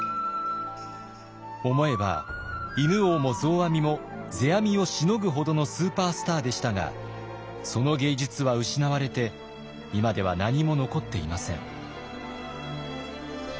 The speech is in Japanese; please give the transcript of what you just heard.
思えば犬王も増阿弥も世阿弥をしのぐほどのスーパースターでしたがその芸術は失われて今では何も残っていません。